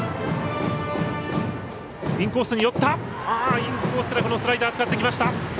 インコースからスライダー使ってきました。